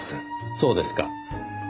そうですか。